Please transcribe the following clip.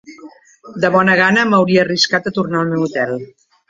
De bona gana m'hauria arriscat a tornar al meu hotel